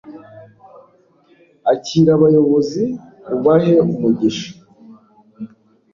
akira abayobozi, ubahe umugisha